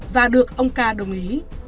và được ông ca đồng ý